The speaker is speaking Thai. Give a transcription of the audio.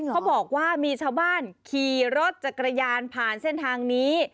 เขาบอกว่ามีชาวบ้านขี่รถจักรยานผ่านเส้นทางนี้